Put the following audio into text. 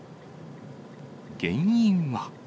原因は。